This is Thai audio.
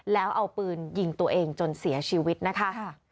แล้วเอาปืนยิงตัวเองจนเสียชีวิตนะคะ